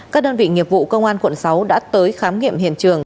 các đơn vị nghiệp vụ công an quận sáu đã tới khám nghiệm hiện trường